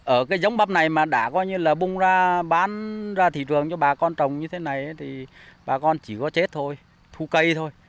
ở cái giống bắp này mà đã coi như là bung ra bán ra thị trường cho bà con trồng như thế này thì bà con chỉ có chết thôi thu cây thôi